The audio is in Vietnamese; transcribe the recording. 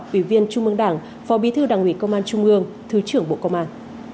ủy viên trung mương đảng phó bí thư đảng ủy công an trung ương thứ trưởng bộ công an